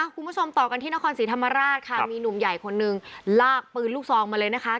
ต่อกันที่นครศรีธรรมราชค่ะมีหนุ่มใหญ่คนนึงลากปืนลูกซองมาเลยนะคะ